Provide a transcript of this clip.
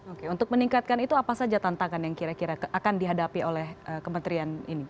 oke untuk meningkatkan itu apa saja tantangan yang kira kira akan dihadapi oleh kementerian ini